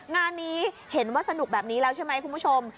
งานนี้เห็นว่าสนุกแบบนี้แล้วใช่ไหมคุณผู้ชม